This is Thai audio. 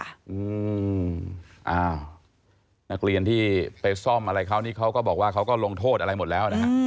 อ้าวนักเรียนที่ไปซ่อมอะไรเขานี่เขาก็บอกว่าเขาก็ลงโทษอะไรหมดแล้วนะฮะ